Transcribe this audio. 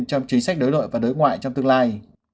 trong chính sách đối nội và đối ngoại trong tương lai